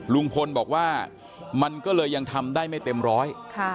ลุงพลบอกว่ามันก็เลยยังทำได้ไม่เต็มร้อย